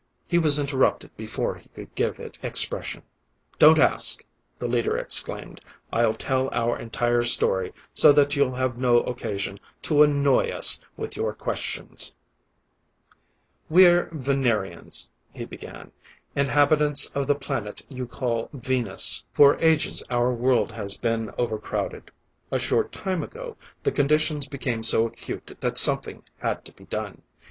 He was interrupted before he could give it expression. "Don't ask," the leader exclaimed. "I'll tell our entire story so that you'll have no occasion to annoy us with your questions. "We're Venerians," he began, "inhabitants of the planet you call Venus. For ages our world has been overcrowded. A short time ago, the conditions became so acute that something had to be done.